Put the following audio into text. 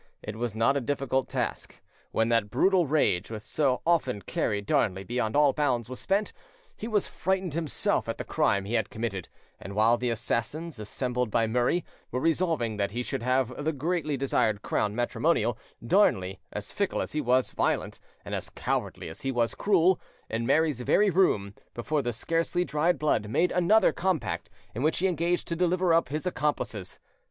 It was not a difficult task: when that brutal rage which often carried Darnley beyond all bounds was spent, he was frightened himself at the crime he had committed, and while the assassins, assembled by Murray, were resolving that he should have that greatly desired crown matrimonial, Darnley, as fickle as he was violent, and as cowardly as he was cruel, in Mary's very room, before the scarcely dried blood, made another compact, in which he engaged to deliver up his accomplices.